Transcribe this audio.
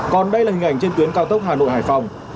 còn đây là hình ảnh trên tuyến cao tốc hà nội hải phòng